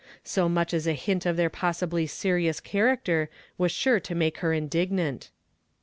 So nuich as a hint of their possibly serious character was sure to make her indignant.